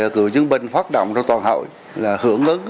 cựu dân binh phát động trong toàn hội hưởng ứng